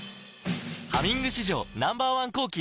「ハミング」史上Ｎｏ．１抗菌